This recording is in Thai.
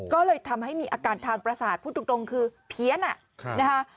ก็เลยทำให้มีอาการทางประสาทพูดตรงคือเพี้ยนนะคะ